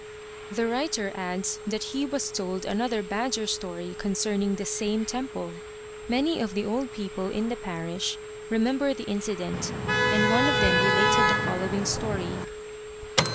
The writer adds that he was told another badger story concerning the same temple. Many of the old people in the parish remember the incident, and one of them related the following story.